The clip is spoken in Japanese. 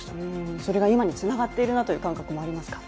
それが今につながっているなという感覚もありますか？